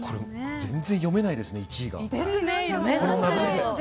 全然読めないですね、１位が。